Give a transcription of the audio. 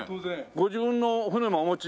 ご自分の船もお持ち？